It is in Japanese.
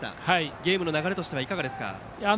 ゲームの流れとしてはいかがですか？